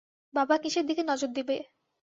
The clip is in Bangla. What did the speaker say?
বাবা কিসের দিকে নজর দিবে?